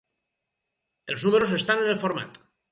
Els números estan en el format.